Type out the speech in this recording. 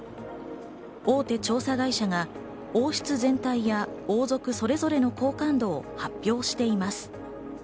大手調査会社が王室全体や王族、それぞれの好感度を発表しています。